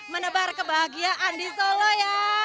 menebar kebahagiaan di solo ya